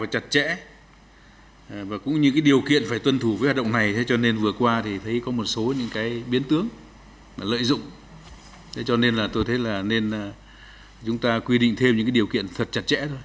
cho nên là tôi thấy là nên chúng ta quy định thêm những điều kiện thật chặt chẽ thôi